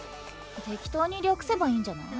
適当に略せばいいんじゃない？